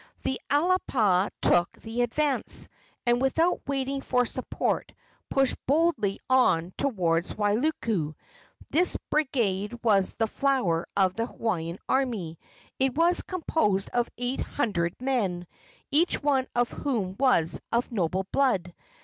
The Alapa took the advance, and, without waiting for support, pushed boldly on toward Wailuku. This brigade was the flower of the Hawaiian army. It was composed of eight hundred men, each one of whom was of noble blood.